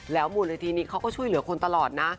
แล้วหมู่นทีนี้เขาก็ช่วยเหลือคนตลอดนะ